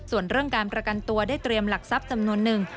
ส่วนเรื่องการประกันตัวได้เตรียมหลักทรัพย์จำนวนหนึ่ง